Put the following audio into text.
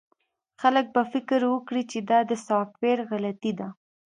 خلک به فکر وکړي چې دا د سافټویر غلطي ده